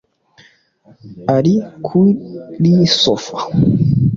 ari kuri sofa